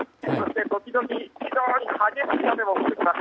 時々、非常に激しい雨も降ってきます。